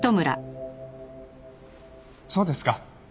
そうですか。